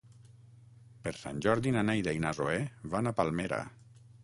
Per Sant Jordi na Neida i na Zoè van a Palmera.